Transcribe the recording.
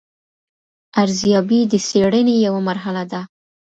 ارزیابي د څېړنې یوه مرحله ده.